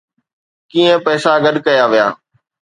ڪئين پئسا گڏ ڪيا ويا